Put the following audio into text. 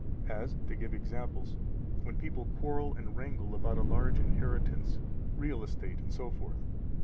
As (to give examples), when people quarrel and wrangle about a large inheritance, real estate, etc.